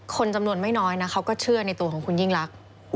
คนจำนวนไม่น้อยนะเขาก็เชื่อในตัวของคุณยิ่งลักษณ์